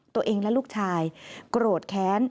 ตัวเองและลูกชายโกรธแค้น